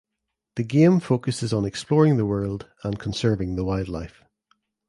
The game focuses on exploring the world and conserving the wildlife.